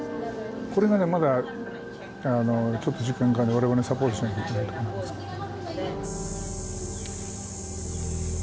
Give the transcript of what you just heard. これがねまだちょっと時間がかかるので我々サポートしなきゃいけないところなんですけどもね。